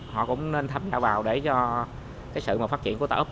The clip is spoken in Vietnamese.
họ cũng nên tham gia vào để cho cái sự phát triển của ta ấp